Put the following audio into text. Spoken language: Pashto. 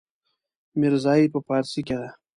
ميرزايي په پارسي کې ده.